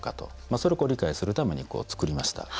それを理解するために作りました。